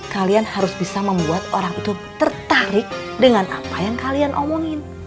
kalian harus bisa membuat orang itu tertarik dengan apa yang kalian omongin